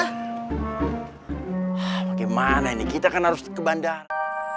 bagaimana ini kita kan harus ke bandara